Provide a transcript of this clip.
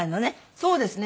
そうですね。